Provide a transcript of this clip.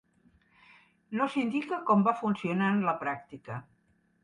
No s'indica com va funcionar en la pràctica.